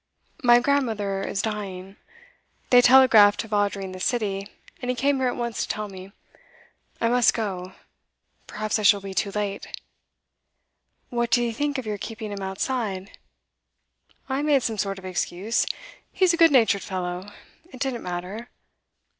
My grandmother is dying. They telegraphed to Vawdrey in the City, and he came here at once to tell me. I must go. Perhaps I shall be too late.' 'What did he think of your keeping him outside?' 'I made some sort of excuse. He's a good natured fellow; it didn't matter.